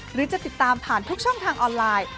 หรือจะติดตามผ่านทุกช่องทางออนไลน์